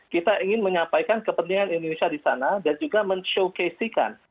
kita ingin menyampaikan kepentingan indonesia di sana dan juga men showcasekan